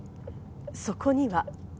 そこには。